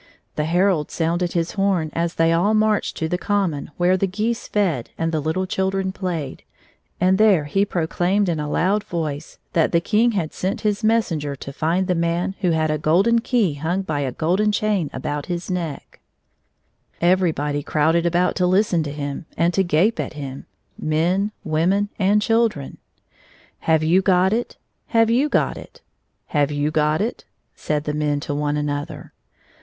The herald sounded his horn as they all marched to the common where the geese fed and the little children played, and there he proclaimed in a loud voice that the King had sent his mes senger to find the man who had a golden key hung by a golden chain about his neck'' i8o <*, Everybody crowded about to listen to him, and to gape at him — men, women, and children. " Have you got it ?— Have you got it ?— Have you got it ?" said the men to one another.